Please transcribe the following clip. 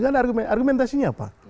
tidak ada argumentasinya apa